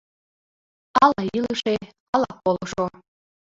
Ала илыше, ала колышо.